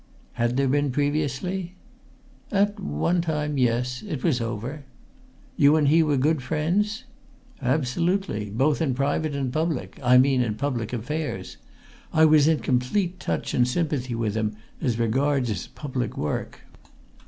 "Had there been previously?" "At one time yes. It was over." "You and he were good friends?" "Absolutely! Both in private and public I mean in public affairs. I was in complete touch and sympathy with him as regards his public work."